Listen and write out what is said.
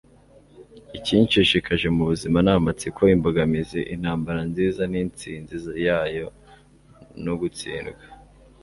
ikinshishikaje mu buzima ni amatsiko, imbogamizi, intambara nziza n'intsinzi yayo no gutsindwa